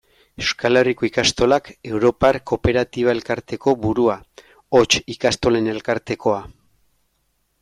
Euskal Herriko Ikastolak europar kooperatiba-elkarteko burua, hots, Ikastolen Elkartekoa.